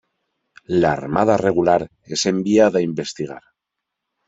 La armada regular es enviada a investigar.